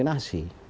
jadi itu diskriminasi